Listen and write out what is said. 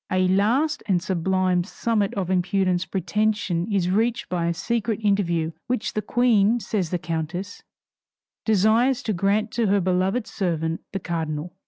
A last and sublime summit of impudent pretension is reached by a secret interview which the Queen, says the countess, desires to grant to her beloved servant the cardinal.